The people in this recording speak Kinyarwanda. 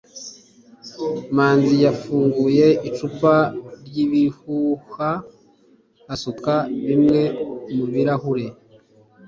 manzi yafunguye icupa ryibihuha asuka bimwe mubirahure